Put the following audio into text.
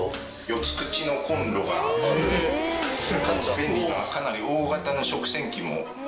便利なかなり大型の食洗機も。